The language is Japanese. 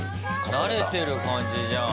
慣れてる感じじゃん。